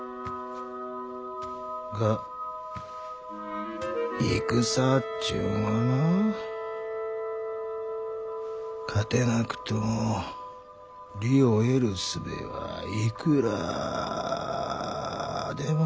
が戦っちゅうんはな勝てなくとも利を得るすべはいくらでもある。